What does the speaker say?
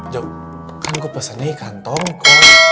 jok kan gue pesennya ikan tongkol